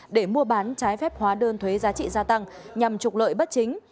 để mua bán trái phép hóa đơn thuế giá trị gia tăng nhằm trục lợi bất chính